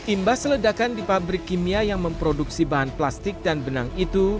imbas ledakan di pabrik kimia yang memproduksi bahan plastik dan benang itu